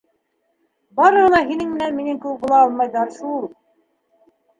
— Барыһы ла һинең менән минең кеүек була алмайҙар шул.